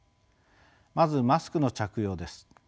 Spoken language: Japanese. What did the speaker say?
まずマスクの着用です。